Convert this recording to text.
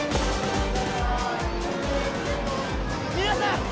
皆さん！